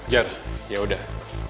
yaudah ya udah